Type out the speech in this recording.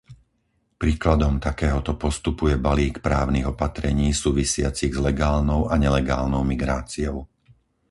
Príkladom takéhoto postupu je balík právnych opatrení súvisiacich s legálnou a nelegálnou migráciou.